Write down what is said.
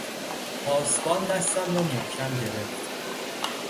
پاسبان دستم را محکم گرفت.